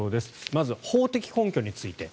まず、法的根拠について。